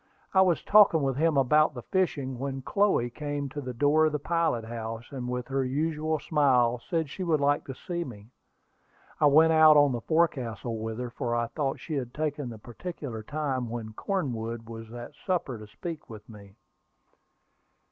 I was talking with him about the fishing, when Chloe came to the door of the pilot house, and with her usual smile said she would like to see me. I went out on the forecastle with her, for I thought she had taken the particular time when Cornwood was at supper to speak with me.